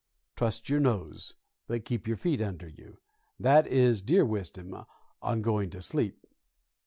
Trust your nose, but keep your feet under you that is deer wisdom on going to sleep.